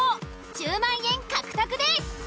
１０万円獲得です。